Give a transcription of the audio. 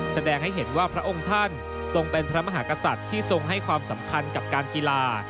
แสดงให้เห็นว่าพระองค์ท่านทรงเป็นพระมหากษัตริย์ที่ทรงให้ความสำคัญกับการกีฬา